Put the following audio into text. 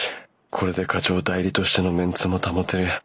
これで課長代理としてのメンツも保てる！